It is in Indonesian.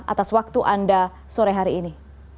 atas waktu anda sore hari ini